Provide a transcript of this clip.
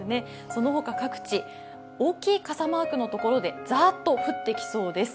その他、各地、大きい傘マークの所でザーッと降ってきそうです。